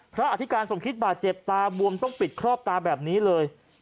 อธิการสมคิดบาดเจ็บตาบวมต้องปิดครอบตาแบบนี้เลย